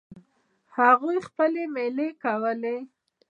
هغوی خپلې میلې کولې.